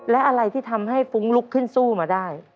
และอะไรที่ทำให้ฟุ้งลุกขึ้นสู้มาได้